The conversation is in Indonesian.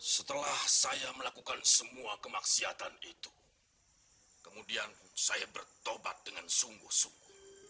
setelah saya melakukan semua kemaksiatan itu kemudian saya bertobat dengan sungguh sungguh